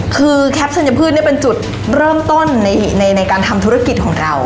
คือแคปชัญพืชเป็นจุดเริ่มต้นในการทำธุรกิจของเรา